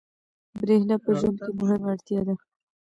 برېښنا په ژوند کې مهمه اړتیا ده.